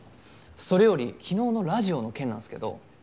それより昨日のラジオの件なんですけど。